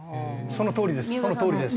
そのとおりです。